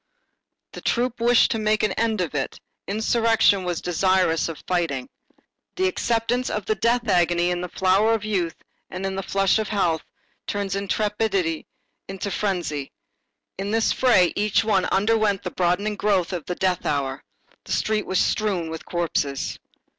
The troop wished to make an end of it, insurrection was desirous of fighting. The acceptance of the death agony in the flower of youth and in the flush of health turns intrepidity into frenzy. In this fray, each one underwent the broadening growth of the death hour. The street was strewn with corpses.